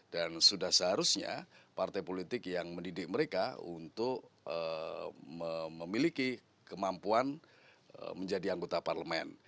sudah seharusnya partai politik yang mendidik mereka untuk memiliki kemampuan menjadi anggota parlemen